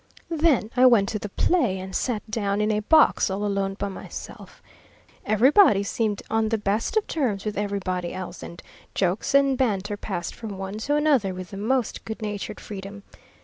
Then I went to the play, and sat down in a box all alone by myself. Everybody seemed on the best of terms with everybody else, and jokes and banter passed from one to another with the most good natured freedom.